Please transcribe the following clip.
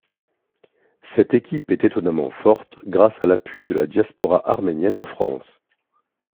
Cette équipe est étonnamment forte grâce à l'appui de la diaspora arménienne en France.